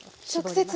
直接。